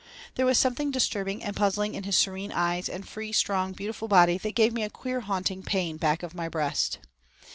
There was something disturbing and puzzling in his serene eyes and free, strong, beautiful body that gave me a queer haunting pain back of my breast.